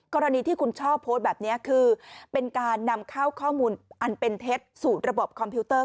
กรณีที่คุณช่อโพสต์แบบนี้คือเป็นการนำเข้าข้อมูลอันเป็นเท็จสู่ระบบคอมพิวเตอร์